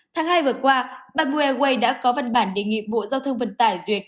tháng hai vừa qua bmw đã có văn bản đề nghị bộ giao thông vận tải duyệt